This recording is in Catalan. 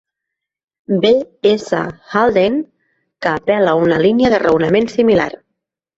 B. S. Haldane, que apel·la a una línia de raonament similar.